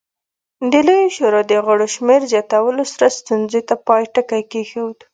د لویې شورا د غړو شمېر زیاتولو سره ستونزې ته پای ټکی کېښود